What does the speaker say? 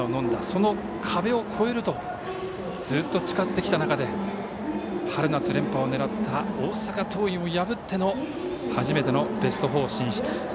その壁を越えるとずっと誓ってきた中で春夏連覇を狙った大阪桐蔭を破っての初めてのベスト４進出。